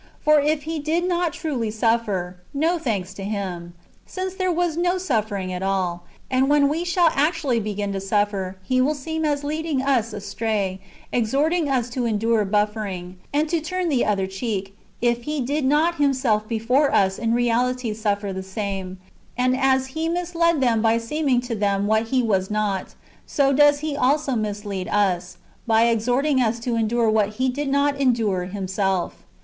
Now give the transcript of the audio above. For if He did not truly suffer, no thanks to Him, since there was no suffering at all ; and when we shall actually begin to suffer, He will seem as leadino^ us astray, exhortincr us to endure buffeting, and to turn the other ^ cheek, if He did not Him self before us in reahty suffer the same ; and as He misled them by seeming to them what He was not, so does He also mislead us, by exhorting us to endure what He did not endure Himself.